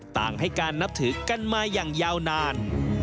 ต่างให้การนับถือกันมาอย่างยาวนาน